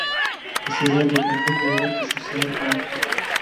د سېلاب د کمبود د علت تشخیصول ګران کار دی.